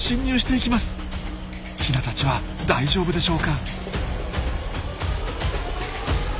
ヒナたちは大丈夫でしょうか？